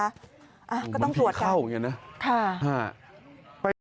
เอ๊ะก็ต้องสวดกันค่ะไปเท่านี้นะ